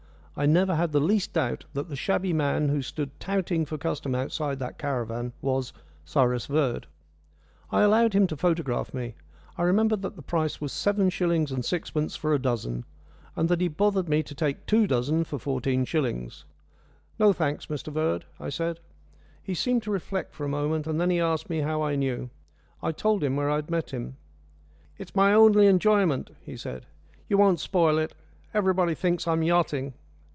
I never had the least doubt that the shabby man who stood touting for custom outside that caravan was Cyrus Verd. I allowed him to photograph me. I remember that the price was seven shillings and sixpence for a dozen, and that he bothered me to take two dozen for fourteen shillings. "No thanks, Mr Verd," I said. He seemed to reflect for a moment, and then he asked me how I knew. I told him where I met him. "It's my only enjoyment," he said. "You won't spoil it everybody thinks I'm yachting."